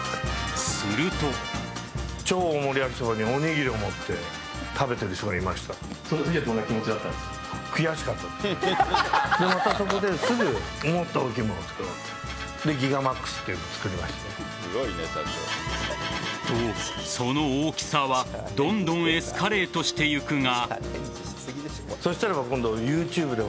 すると。と、その大きさはどんどんエスカレートしてゆくが。